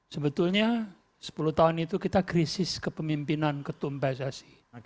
sebetulnya sepuluh tahun itu kita krisis kepemimpinan ketumpesan